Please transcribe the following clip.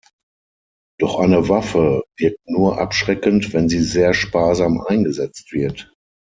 Doch eine Waffe wirkt nur abschreckend, wenn sie sehr sparsam eingesetzt wird.